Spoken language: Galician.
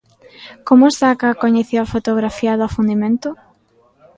Como saca a coñecida fotografía do afundimento?